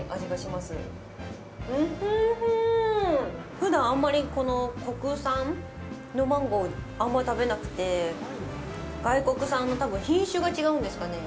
ふだん、あんまり国産のマンゴーをあんまり食べなくて、外国産の、多分、品種が違うんですかね。